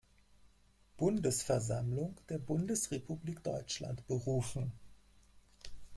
Bundesversammlung der Bundesrepublik Deutschland berufen.